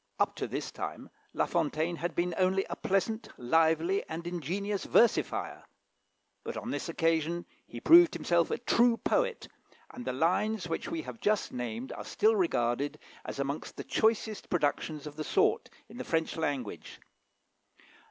Up to this time La Fontaine had been only a pleasant, lively, and ingenious versifier; but on this occasion he proved himself a true poet, and the lines which we have just named are still regarded as amongst the choicest productions of the sort in the French language.